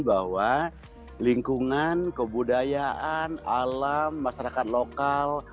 bahwa lingkungan kebudayaan alam masyarakat lokal